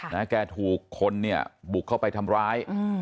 แกถูกคนเนี่ยบุกเข้าไปทำร้ายอืม